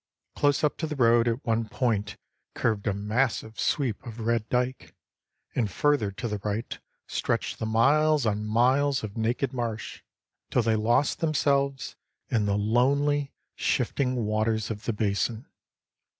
Close up to the road, at one point, curved a massive sweep of red dike, and further to the right stretched the miles on miles of naked marsh, till they lost themselves in the lonely, shifting waters of the Basin.